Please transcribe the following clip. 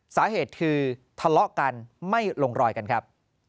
สาเหตุคือทะเลาะกันไม่ลงรอยกันครับ